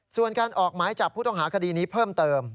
ส่วนการออกหมายจับผู้ต้องหาคดีนี้เพิ่มเติม